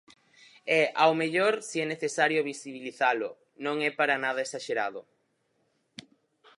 E, ao mellor, si é necesario visibilizalo, non é para nada exaxerado.